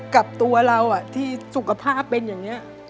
กับตัวเราที่สุขภาพเป็นอย่างนี้